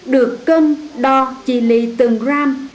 được cân đo chỉ lì từng gram